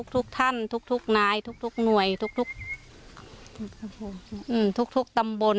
ทุกท่านทุกนายทุกหน่วยทุกตำบล